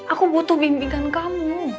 aku butuh bimbingan kamu